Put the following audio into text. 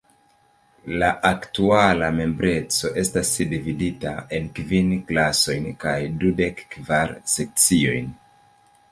La aktuala membreco estas dividita en kvin klasojn kaj dudek kvar sekciojn.